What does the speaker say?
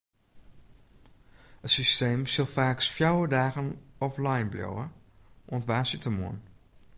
It systeem sil faaks fjouwer dagen offline bliuwe, oant woansdeitemoarn.